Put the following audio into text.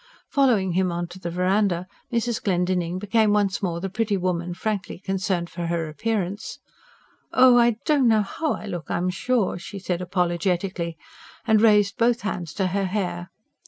Following him on to the verandah, Mrs. Glendinning became once more the pretty woman frankly concerned for her appearance. "I don't know how I look, I'm sure," she said apologetically, and raised both hands to her hair.